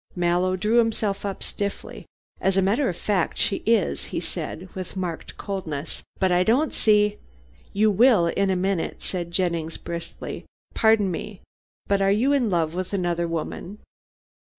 Mallow drew himself up stiffly. "As a matter of fact she is," he said with marked coldness. "But I don't see " "You will in a minute," said Jennings briskly. "Pardon me, but are you in love with another woman?"